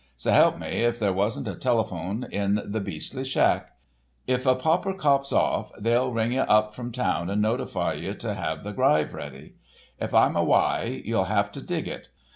S' help me if there wasn't a telephone in that beastly shack. 'If a pauper cops off they'll ring you up from town and notify you to have the gryve ready. If I'm awye, you'll have to dig it.